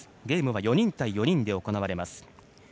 ゲームは４人対４人で行われます。